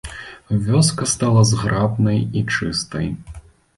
Вёска стала зграбнай і чыстай.